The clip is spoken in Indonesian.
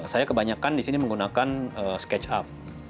saya kebanyakan di sini menggunakan sketchup